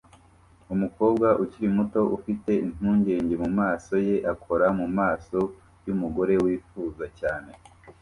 Umukobwa ukiri muto ufite impungenge mumaso ye akora mumaso yumugore wifuza cyane